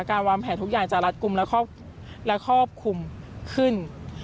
การวางแผนทุกอย่างจะรัดกลุ่มและครอบคลุมขึ้น